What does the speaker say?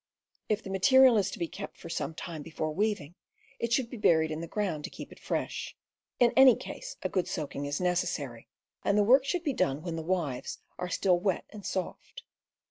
If the material is to be kept for some time before weav ing, it should be buried in the ground to keep it fresh. In any case, a good soaking is necessary, and the work should be done while the withes are still wet and soft.